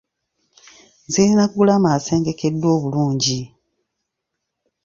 Zirina ggulama asengekeddwa obulungi.